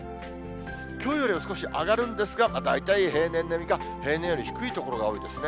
きょうよりは少し上がるんですが、大体平年並みか、平年より低い所が多いですね。